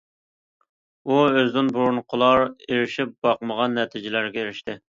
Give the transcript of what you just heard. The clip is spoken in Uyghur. ئۇ ئۆزىدىن بۇرۇنقىلار ئېرىشىپ باقمىغان نەتىجىلەرگە ئېرىشتى.